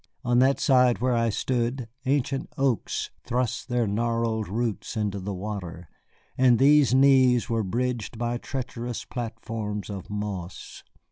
On that side where I stood ancient oaks thrust their gnarled roots into the water, and these knees were bridged by treacherous platforms of moss.